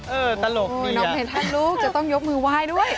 เออตลกดีอะน้องเฮทัดลูกจะต้องยกมือวายด้วย